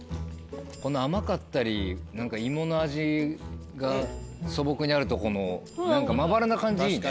この甘かったり何か芋の味が素朴にあるとこの何かまばらな感じいいね。